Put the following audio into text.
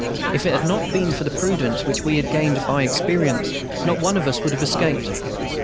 If it had not been for the prudence which we had gained by experience not one of us would have escaped.